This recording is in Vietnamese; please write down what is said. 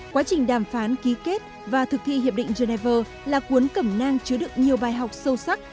quá trình đàm phán ký kết và thực thi hiệp định geneva là cuốn cẩm nang chứa được nhiều bài học sâu sắc